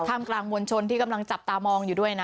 กลางมวลชนที่กำลังจับตามองอยู่ด้วยนะ